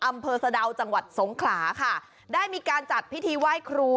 อำเภอสะดาวจังหวัดสงขลาค่ะได้มีการจัดพิธีไหว้ครู